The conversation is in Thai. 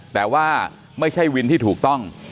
แต่ว่าไม่ใช่วินที่ถูกต้อง